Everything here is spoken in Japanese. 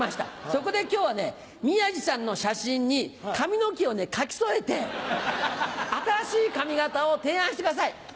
そこで今日はね宮治さんの写真に髪の毛を描き添えて新しい髪形を提案してください。